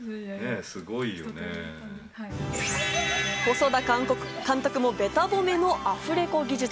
細田監督もベタ褒めのアフレコ技術。